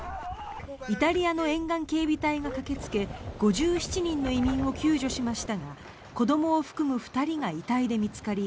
イタリアの沿岸警備隊が駆けつけ５７人の移民を救助しましたが子どもを含む２人が遺体で見つかり